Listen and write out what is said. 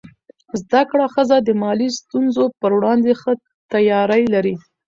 زده کړه ښځه د مالي ستونزو پر وړاندې ښه تیاری لري.